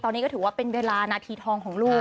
ตอนนี้ก็ถือว่าเป็นเวลานาทีทองของลูก